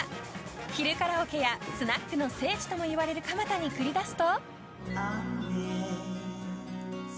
昼カラオケやスナックの聖地ともいわれる蒲田に繰り出すと。